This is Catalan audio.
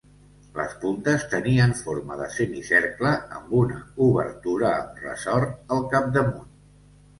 Les puntes tenien forma de semicercle amb una "obertura" amb ressort al capdamunt.